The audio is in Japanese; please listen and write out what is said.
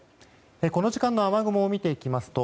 この時間の雨雲を見ていきますと